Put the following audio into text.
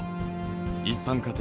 一般家庭